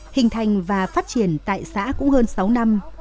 hình thành và phát triển tại xã cũng hơn sáu năm